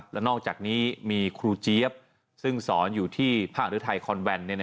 และนอกจากนี้มีครูเจี๊ยบซึ่งสอนอยู่ที่ภาคฤทัยคอนแวน